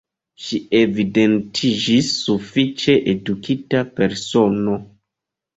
Ŝi evidentiĝis sufiĉe edukita persono.